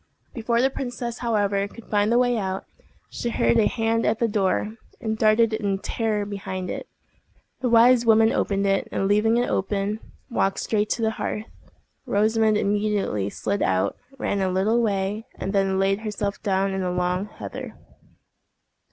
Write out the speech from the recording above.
Before the princess, however, could find the way out, she heard a hand at the door, and darted in terror behind it. The wise woman opened it, and, leaving it open, walked straight to the hearth. Rosamond immediately slid out, ran a little way, and then laid herself down in the long heather.